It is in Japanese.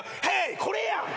これや！